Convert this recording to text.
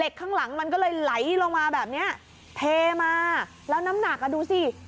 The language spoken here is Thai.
ข้างหลังมันก็เลยไหลลงมาแบบเนี้ยเทมาแล้วน้ำหนักอ่ะดูสิ